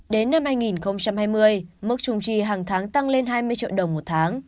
đến năm hai nghìn hai mươi mức trung chi hàng tháng tăng lên hai mươi triệu đồng một tháng